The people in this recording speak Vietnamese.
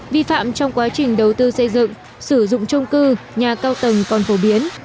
vi phạm trong quá trình đầu tư xây dựng sử dụng trung cư nhà cao tầng còn phổ biến